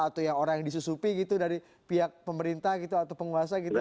atau yang orang yang disusupi gitu dari pihak pemerintah gitu atau penguasa gitu